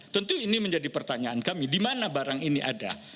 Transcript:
tentu ini menjadi pertanyaan kami di mana barang ini ada